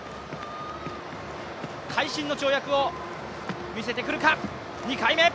会心の跳躍を見せてくるか、２回目。